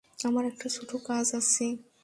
আমার একটা ছোট্ট কাজ আছে।